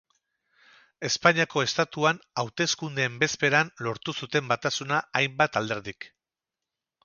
Espainiako Estatuan hauteskundeen bezperan lortu zuten batasuna hainbat alderdik.